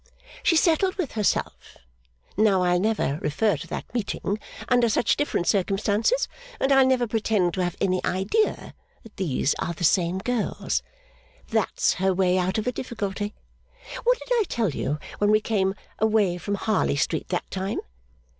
She settled with herself, now I'll never refer to that meeting under such different circumstances, and I'll never pretend to have any idea that these are the same girls. That's her way out of a difficulty. What did I tell you when we came away from Harley Street that time?